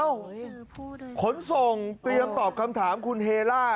ขนส่งเตรียมตอบคำถามคุณเฮล่า